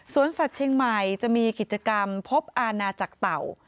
สัตว์เชียงใหม่จะมีกิจกรรมพบอาณาจักรเต่า